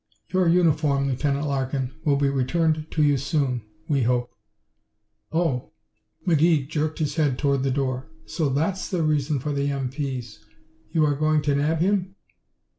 "Your uniform, Lieutenant Larkin, will be returned to you soon we hope." "Oh!" McGee jerked his head toward the door. "So that's the reason for the M.P.'s. You are going to nab him?"